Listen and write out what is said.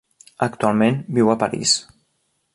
Actualment viu a París.